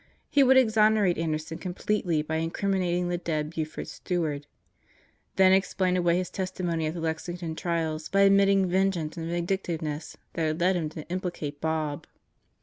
He would exonerate Anderson completely by in criminating the dead Buford Steward; then explain away his testimony at the Lexington trials by admitting vengeance and vindictiveness had led him to implicate Bob.